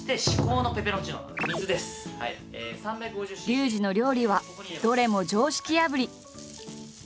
リュウジの料理はどれも常識破り。